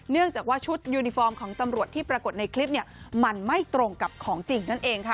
เนื่องจากว่าชุดยูนิฟอร์มของตำรวจที่ปรากฏในคลิปเนี่ยมันไม่ตรงกับของจริงนั่นเองค่ะ